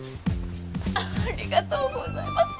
ありがとうございます！